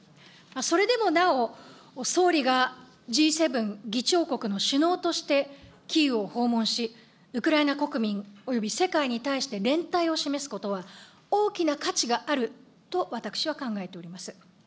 それでもなお、総理がＧ７議長国の首脳として、キーウを訪問し、ウクライナ国民および世界に対して連帯を示すことは、大きな価値があると私は考えております。